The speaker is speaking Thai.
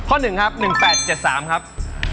๑ครับ๑๘๗๓ครับ